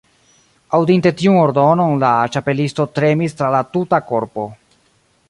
Aŭdinte tiun ordonon la Ĉapelisto tremis tra la tuta korpo.